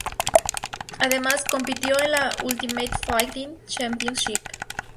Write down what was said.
Además compitió en la Ultimate Fighting Championship.